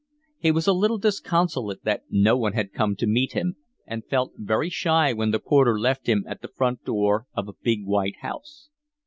He was a little disconsolate that no one had come to meet him, and felt very shy when the porter left him at the front door of a big white house.